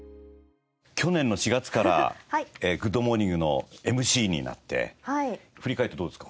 去年の４月から『グッド！モーニング』のＭＣになって振り返ってどうですか？